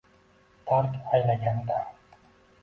Tark aylagan dam